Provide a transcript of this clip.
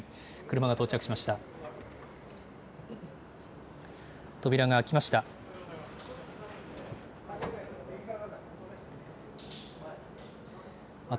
車が到着しました。